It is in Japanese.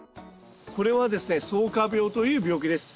これはですねそうか病という病気です。